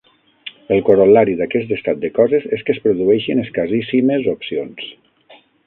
El corol·lari d'aquest estat de coses és que es produeixen escasíssimes opcions.